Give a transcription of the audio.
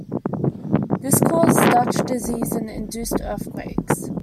This caused Dutch disease and induced earthquakes.